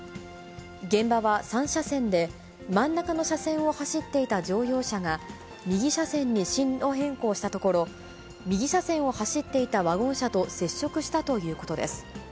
現場は３車線で、真ん中の車線を走っていた乗用車が、右車線に進路変更したところ、右車線を走っていたワゴン車と接触したということです。